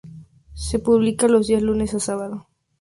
Se publica los días lunes a sábado.